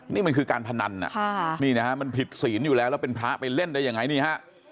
นี่มันคือการพนันมันผิดศีลอยู่แล้วแล้วเป็นพระไปเล่นได้ยังไง